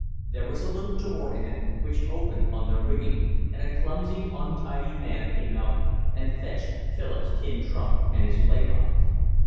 There was a little door in it, which opened on their ringing; and a clumsy, untidy man came out and fetched Philip's tin trunk and his play box.